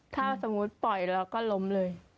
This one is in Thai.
ถ้าสมมุติปล่อยเราก็ล้มเลย